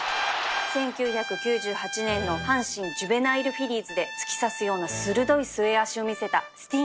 １９９８年の阪神ジュベナイルフィリーズで突き刺すような鋭い末脚を見せたスティンガー